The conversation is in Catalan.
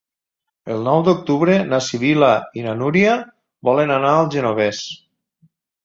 El nou d'octubre na Sibil·la i na Núria volen anar al Genovés.